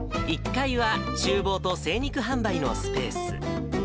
１階はちゅう房と精肉販売のスペース。